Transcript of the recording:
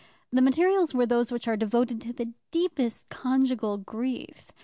The materials were those which are devoted to the deepest conjugal grief.